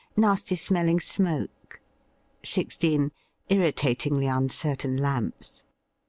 Nasty smelling smoke. 16. Irritatingly uncertain lamps.